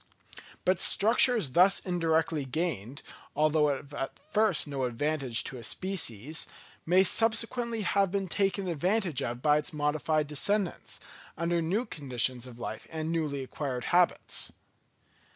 But structures thus indirectly gained, although at first of no advantage to a species, may subsequently have been taken advantage of by its modified descendants, under new conditions of life and newly acquired habits.